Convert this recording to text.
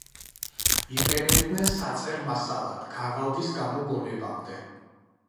იყენებდნენ საწერ მასალად ქაღალდის გამოგონებამდე.